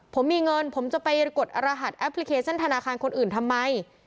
ผมมีเงินผมจะไปกดอรหัสแอปพลิเคชันธนาคารคนอื่นทำไม